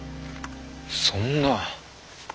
そんな。